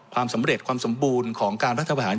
ความสำเร็จความสมบูรณ์ของการรัฐประหาร